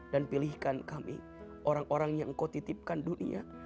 dan pilihkan kami orang orang yang kau titipkan dunia